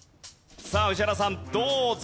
さあ宇治原さんどうぞ。